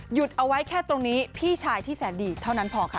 เอาไว้แค่ตรงนี้พี่ชายที่แสนดีเท่านั้นพอค่ะ